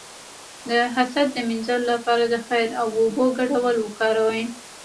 د حسد د مینځلو لپاره د خیر او اوبو ګډول وکاروئ